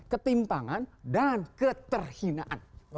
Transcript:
ketimpangan dan keterhinaan